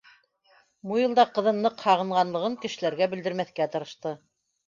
Муйыл да ҡыҙын ныҡ һағынғанлығын кешеләргә белдермәҫкә тырышты.